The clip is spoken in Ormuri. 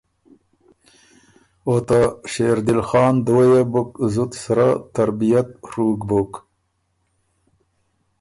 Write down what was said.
او ته شېردل خان دُوه يې بُک زُت سرۀ تربئت ڒُوک بُک